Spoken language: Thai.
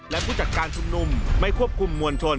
และผู้จัดการชุมนุมไม่ควบคุมมวลชน